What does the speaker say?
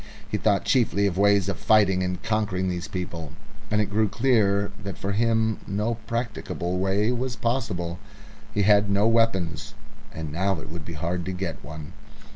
He thought chiefly of ways of fighting and conquering these people, and it grew clear that for him no practicable way was possible. He had no weapons, and now it would be hard to get one.